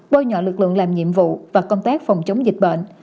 bôi nhọ lực lượng làm nhiệm vụ và công tác phòng chống dịch bệnh